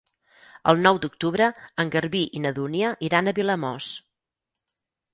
El nou d'octubre en Garbí i na Dúnia iran a Vilamòs.